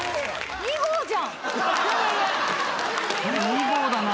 ２号だな。